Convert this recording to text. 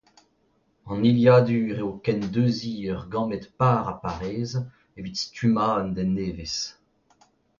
An hiliadur eo kendeuziñ ur gamet par ha parez evit stummañ un den nevez.